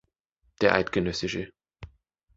Der eidg.